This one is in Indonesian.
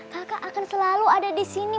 kakak akan selalu ada disini